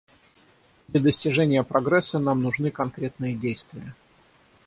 Для достижения прогресса нам нужны конкретные действия.